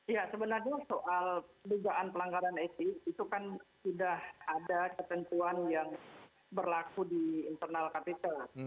ya sebenarnya soal dugaan pelanggaran etik itu kan sudah ada ketentuan yang berlaku di internal kpk